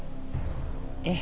ええ。